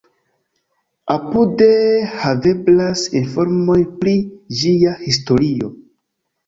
Apude haveblas informoj pri ĝia historio.